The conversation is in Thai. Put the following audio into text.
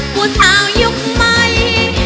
ผู้เศร้ายุคใหม่